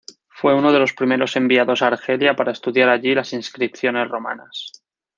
Fue uno de los primeros enviados a Argelia para estudiar allí las inscripciones romanas.